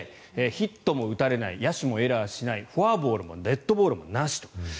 ヒットも打たれない野手もエラーしないフォアボールもデッドボールもなしと。